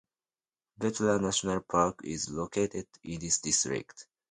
Betla National Park is located in this District.